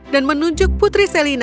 dan menunjuk putri selena kepadanya